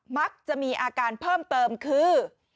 มักจะมีอาการเพิ่มเติมคือ